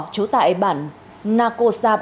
trú tại bản nako sanh